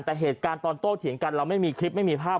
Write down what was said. แต่เหตุการณ์ตอนโต้เถียงกันเราไม่มีคลิปไม่มีภาพ